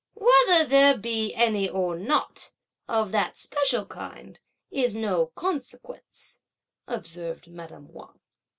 "Whether there be any or not, of that special kind, is of no consequence," observed madame Wang.